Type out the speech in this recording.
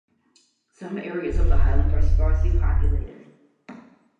Some areas of the highlands are sparsely populated.